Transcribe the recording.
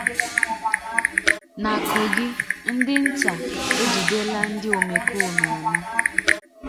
Na Kogi, Ndị Nta Ejidela Ndị Omekoome Anọ